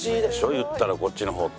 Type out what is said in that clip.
言ったらこっちの方って。